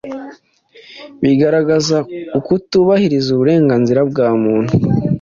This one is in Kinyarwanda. bigaragaza ukutubahiriza uburenganzira bwa muntu,